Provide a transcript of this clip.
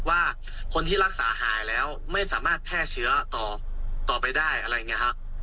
ว่าคนที่รักษาหายแล้วไม่สามารถแพร่เชื้อต่อไปได้อะไรอย่างนี้ฮะ